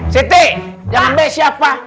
siti yang embe siapa